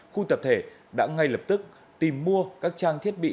khu tập thể đã ngay lập tức tìm mua các trang thiết bị